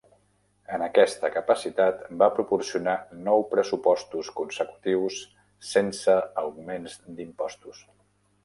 En aquesta capacitat, va proporcionar nou pressupostos consecutius sense augments d'impostos.